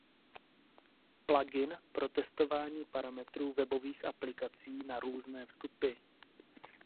Plugin pro testování parametrů webových aplikací na různé vstupy.